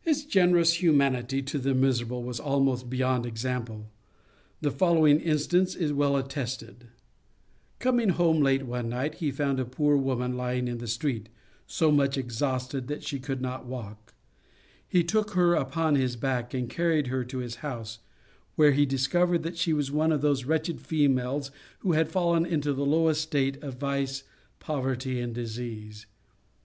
His generous humanity to the miserable was almost beyond example. The following instance is well attested: Coming home late one night, he found a poor woman lying in the street, so much exhausted that she could not walk; he took her upon his back, and carried her to his house, where he discovered that she was one of those wretched females who had fallen into the lowest state of vice, poverty, and disease.